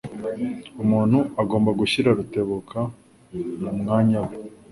Umuntu agomba gushyira Rutebuka mu mwanya we.